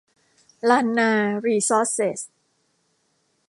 ลานนารีซอร์สเซส